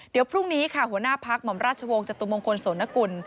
เดี๋ยวพรุ่งนี้ค่ะหัวหน้าพักหม่อมราชวงศ์จตุมงคลโสนกุล